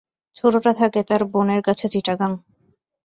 ছোটটা থাকে তার বোনের কাছে চিটাগাং।